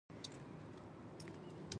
خو طهارت دې تر سره شي.